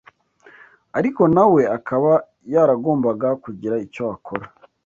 ariko na we akaba yaragombaga kugira icyo akora.